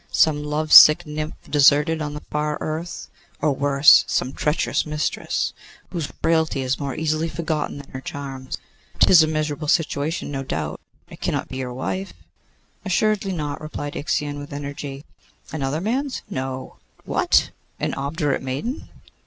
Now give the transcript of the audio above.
Some love sick nymph deserted on the far earth; or worse, some treacherous mistress, whose frailty is more easily forgotten than her charms? 'Tis a miserable situation, no doubt. It cannot be your wife?' 'Assuredly not,' replied Ixion, with energy. 'Another man's?' 'No.' 'What! an obdurate maiden?